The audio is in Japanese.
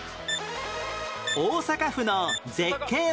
大阪府の絶景問題